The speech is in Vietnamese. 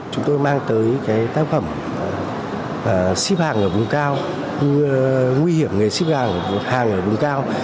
chúng tôi mang tới cái tác phẩm xếp hàng ở vùng cao nguy hiểm người xếp hàng ở vùng cao